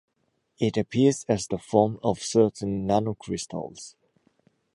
It appears as the form of certain nanocrystals.